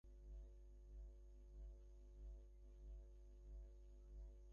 চা বোর্ড সূত্র জানায়, গত চার মাসে জেলায় কোনো বৃষ্টি হয়নি।